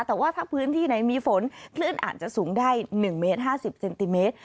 แต่ว่าถ้าพื้นที่ไหนมีฝนคลื่นอาจจะสูงได้๑เมตร๕๐เซนติเมตร